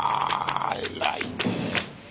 偉いねえ。